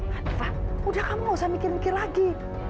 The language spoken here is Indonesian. hanifah udah kamu tak mikir mikir lagi